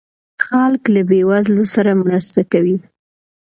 خلک له بې وزلو سره مرسته کوي.